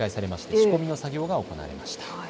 仕込みの作業が行われました。